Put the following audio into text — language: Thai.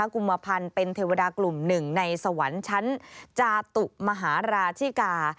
กุมพันธ์เป็นเทวดากลุ่มหนึ่งในสวรรค์ชั้นจาตุมหาราชิกา